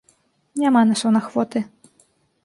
Няма на сон ахвоты.